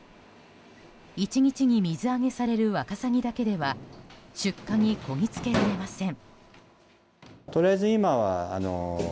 １日に水揚げされるワカサギだけでは出荷にこぎつけられません。